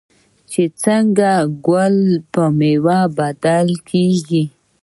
چې څنګه ګل په میوه بدلیږي.